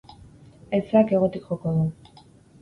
Haizeak hegotik joko du.